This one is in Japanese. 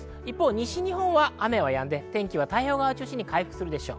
西日本は雨はやんで、天気は太平洋側を中心に回復するでしょう。